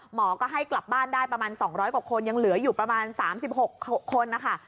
หมอก็ให้กลับบ้านได้ประมาณ๒๐๐กว่าคนยังเหลืออยู่ประมาณ๓๖คนนะคะ